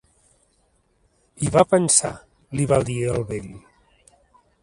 "Hi va pensar", li va dir el vell.